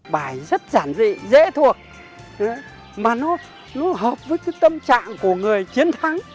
bài rất giản dị dễ thuộc mà nó hợp với cái tâm trạng của người chiến thắng